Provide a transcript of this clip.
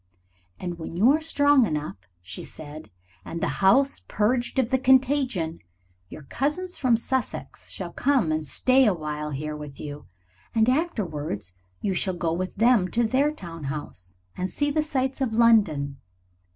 "And when you are strong enough," said she, "and the house purged of the contagion, your cousins from Sussex shall come and stay a while here with you, and afterwards you shall go with them to their town house, and see the sights of London.